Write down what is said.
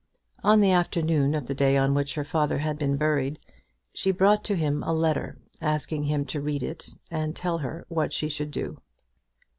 On the afternoon of the day on which her father had been buried, she brought to him a letter, asking him to read it, and tell her what she should do.